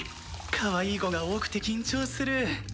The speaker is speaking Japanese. かわいい子が多くて緊張する。